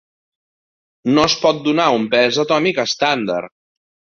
No es pot donar un pes atòmic estàndard.